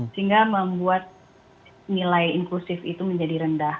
sehingga membuat nilai inklusif itu menjadi rendah